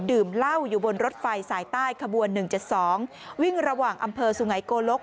ดื่มเหล้าอยู่บนรถไฟสายใต้ขบวน๑๗๒วิ่งระหว่างอำเภอสุไงโกลก